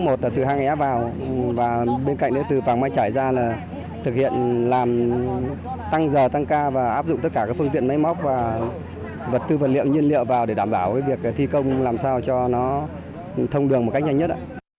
một là từ hang é vào và bên cạnh đấy từ vàng ma trải ra là thực hiện làm tăng giờ tăng ca và áp dụng tất cả phương tiện máy móc và vật tư vật liệu nhiên liệu vào để đảm bảo việc thi công làm sao cho nó thông đường một cách nhanh nhất